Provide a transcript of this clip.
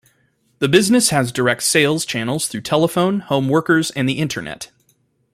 The business has direct sales channels through telephone, home workers, and the internet.